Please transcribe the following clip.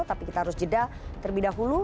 tapi kita harus jeda terlebih dahulu